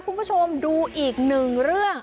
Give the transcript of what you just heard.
คุณผู้ชมดูอีกหนึ่งเรื่อง